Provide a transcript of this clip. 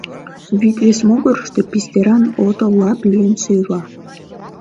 Вӱд вес могырышто пистеран ото лап лийын сӧйла.